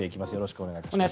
お願いします。